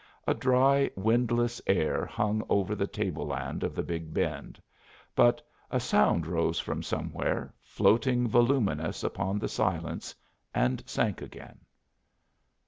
A dry windless air hung over the table land of the Big Bend, but a sound rose from somewhere, floating voluminous upon the silence, and sank again.